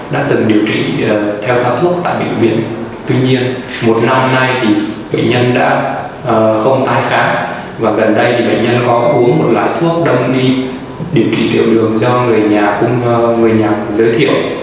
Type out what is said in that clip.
đã từng điều trị theo thao thuốc tại bệnh viện tuy nhiên một năm nay bệnh nhân đã không thai kháng và gần đây bệnh nhân có uống một loại thuốc đông nghi điều trị tiểu đường do người nhà giới thiệu